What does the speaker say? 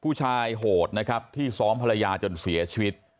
ผู้ชายโหดที่ซ้อมภระยาจนเสียชีวิต